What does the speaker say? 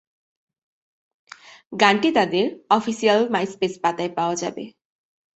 গানটি তাদের official MySpace পাতায় পাওয়া যাবে।